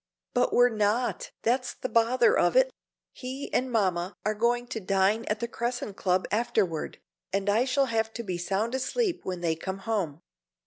"But we're not, that's the bother of it. He and mamma are going to dine at the Crescent Club afterward, and I shall have to be sound asleep when they come home."